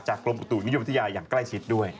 จากกลมประตูนิยมวัฒนิยาอย่างใกล้ชิดด้วย